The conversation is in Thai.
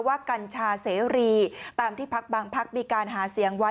ว่ากัญชาเสรีตามที่ภาคบางภาคมีการหาเสียงไว้